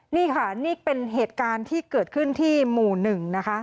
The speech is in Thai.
นี่ค่ะนี่เป็นเหตุการณ์ที่เกิดขึ้นที่หมู่๑นะคะ